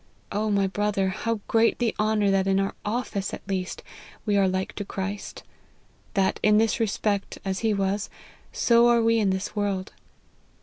O, my brother, how great the honour that in our office, at least, we are like to Christ ; that, in this respect, as he was, so are we in this world